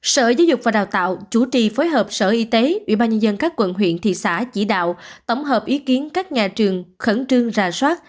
sở giáo dục và đào tạo chủ trì phối hợp sở y tế ubnd các quận huyện thị xã chỉ đạo tổng hợp ý kiến các nhà trường khẩn trương rà soát